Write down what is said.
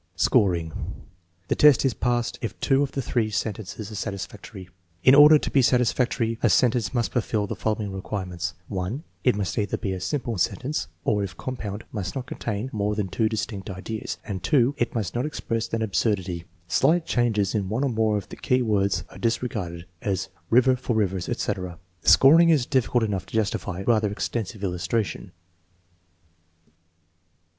Scoring. The test is passed if two of the three sentences are satisfactory. In order to be satisfactory a sentence must fulfill the following requirements: (1) It must either be a simple sentence, or, if compound, must not contain more than two distinct ideas; and (2) it must not express an absurdity. Slight changes in one or more of the key words are dis regarded, as river for rivers, etc. The scoring is difficult enough to justify rather extensive illustration.